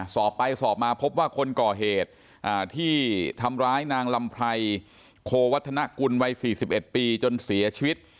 สอบไปสอบมาพบว่าคนก่อเหตุที่ทำร้ายนางลำไพรโควัฒนกุลวัย๔๑ปีจนเสียชีวิต